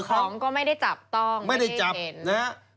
แล้วของก็ไม่ได้จับต้องไม่ได้เห็นไม่ได้จับ